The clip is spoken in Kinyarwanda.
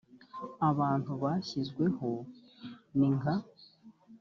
abantu bashyizweyo ni nka